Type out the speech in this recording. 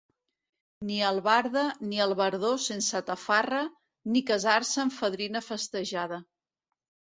Ni albarda, ni albardó sense tafarra, ni casar-se amb fadrina festejada.